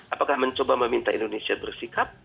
apakah mencoba meminta indonesia bersikap